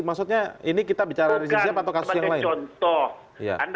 maksudnya ini kita bicara resisi apa atau kasus yang lain